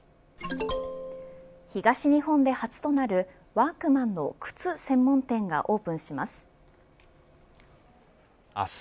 東日本で初となるワークマンの靴専門店がオープンします。